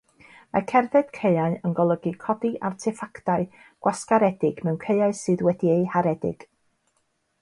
Mae cerdded caeauyn golygu codi arteffactau gwasgaredig mewn caeau sydd wedi'u haredig.